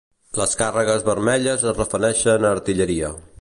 Les càrregues vermelles es refereixen a artilleria.